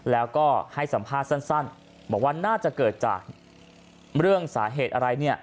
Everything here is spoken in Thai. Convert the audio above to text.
แล้วก็ให้สัมภาษณ์สั้นบอกว่าน่าจะเกิดจากเรื่องสาเหตุอะไรเนี่ย